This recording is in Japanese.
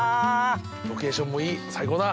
ロケーションもいい最高だ！